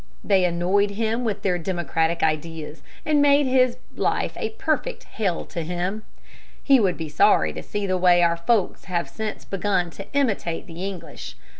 They annoyed him with their democratic ideas and made his life a perfect hell to him. He would be sorry to see the way our folks have since begun to imitate the English.